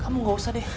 kamu gak usah deh